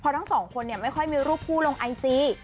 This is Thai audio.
ทั้งสองคนเนี่ยไม่ค่อยมีรูปคู่ลงไอจี